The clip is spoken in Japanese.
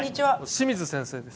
清水先生です。